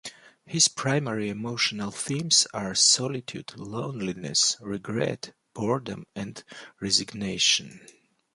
His primary emotional themes are solitude, loneliness, regret, boredom, and resignation.